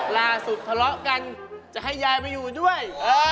ล่าสุดทะเลาะกันจะให้ยายไปอยู่ด้วย